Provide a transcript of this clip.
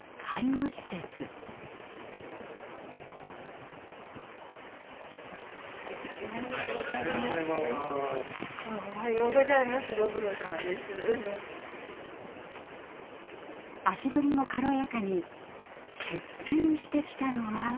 足取りも軽やかに出勤してきたのは。